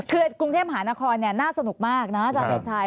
คือคุงเทพมหานครเนี่ยน่าสนุกมากจากอดทราย